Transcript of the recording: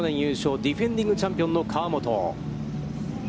ディフェンディングチャンピオンの河本。